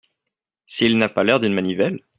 S’il n’a pas l’air d’une manivelle !